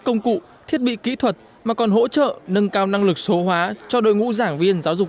công cụ thiết bị kỹ thuật mà còn hỗ trợ nâng cao năng lực số hóa cho đội ngũ giảng viên giáo dục